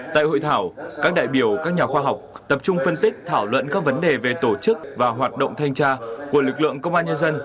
tại hội thảo các đại biểu các nhà khoa học tập trung phân tích thảo luận các vấn đề về tổ chức và hoạt động thanh tra của lực lượng công an nhân dân